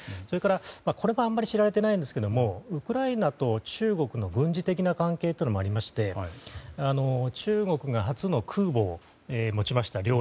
それから、これはあまり知られていないんですがウクライナと中国の軍事的な関係というのもありまして中国が初の空母を持ちました。